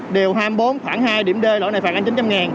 điều hai mươi bốn khoảng hai điểm d loại này phạt anh chín trăm linh